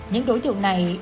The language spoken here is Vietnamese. những đối tượng này